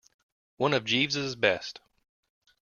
One of Jeeves's best.